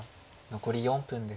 残り４分です。